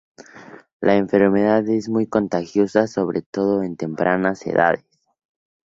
La enfermedad es muy contagiosa, sobre todo en tempranas edades.